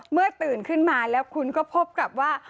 ตื่นขึ้นมาแล้วคุณก็พบกับว่า